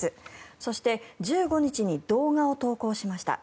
そして１５日に動画を投稿しました。